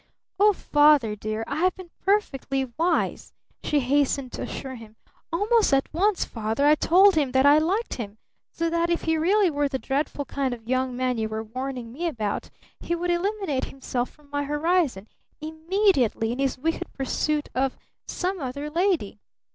"Oh, Father dear I have been perfectly wise!" she hastened to assure him. "Almost at once, Father, I told him that I liked him, so that if he really were the dreadful kind of young man you were warning me about, he would eliminate himself from my horizon immediately in his wicked pursuit of some other lady!